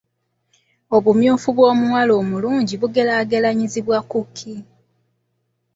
Obumyufu bw’omuwala omulungi bugeraageranyizibwa ku ki ?